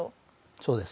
そうです。